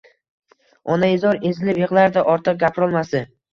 Onaizor ezilib yigʻlardi, ortiq gapirolmasdi.